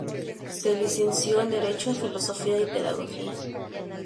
Se licenció en derecho, filosofía y pedagogía.